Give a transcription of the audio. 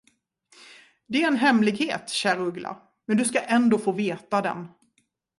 Det är en hemlighet, kärruggla, men du ska ändå få veta den.